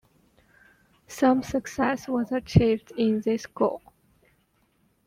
Some success was achieved in this goal.